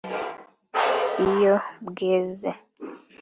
iyo bweze